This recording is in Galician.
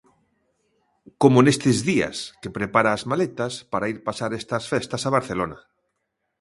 Como nestes días, que prepara as maletas para ir pasar estas festas a Barcelona.